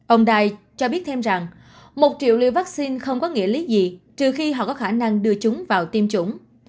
ông dais cho biết thêm rằng một triệu liều vaccine không có nghĩa lý gì trừ khi họ có khả năng đưa chúng vào tiêm chủng